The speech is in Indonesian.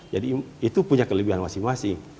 jadi itu punya kelebihan masing masing